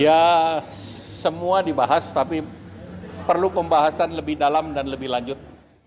ya semua dibahas tapi perlu pembahasan lebih dalam dan lebih lanjut